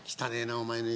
お前の指！